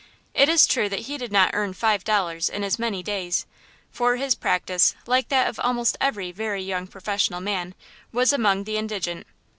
It is true that he did not earn five dollars in as many days, for his practice, like that of almost every very young professional man, was among the indigent.